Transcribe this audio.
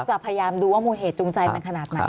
จะพยายามดูว่ามูลเหตุจูงใจมันขนาดไหน